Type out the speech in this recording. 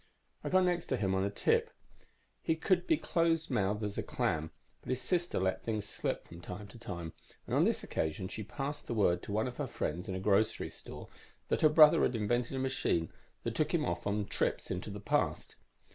I got next to him on a tip. He could be close mouthed as a clam, but his sister let things slip from time to time, and on this occasion she passed the word to one of her friends in a grocery store that her brother had invented a machine that took him off on trips into the past.